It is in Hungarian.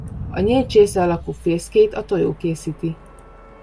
A nyílt csésze alakú fészkét a tojó készíti.